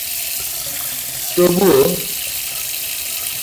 ধাতুর এই মানসিক সমস্যা চরক সংহিতায় উল্লেখ করা হয়েছে।